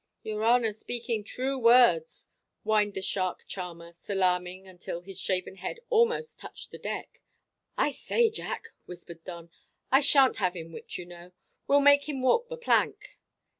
"Your honour speaking true words." whined the shark charmer, salaaming until his shaven head almost touched the deck; "I same rascal." "I say, Jack," whispered Don, "I shan't have him whipped, you know. We'll, make him walk the plank."